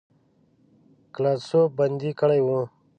ګلادسوف بندي کړی وو.